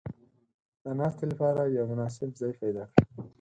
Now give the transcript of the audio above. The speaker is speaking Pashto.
• د ناستې لپاره یو مناسب ځای پیدا کړه.